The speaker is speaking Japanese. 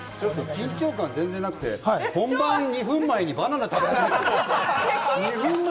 緊張感、全然なくて本番２分前にバナナ食べてて。